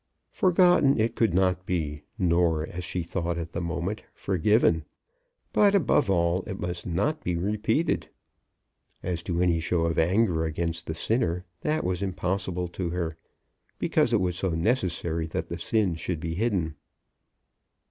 Forgotten it could not be, nor, as she thought at the moment, forgiven. But, above all, it must not be repeated. As to any show of anger against the sinner, that was impossible to her, because it was so necessary that the sin should be hidden.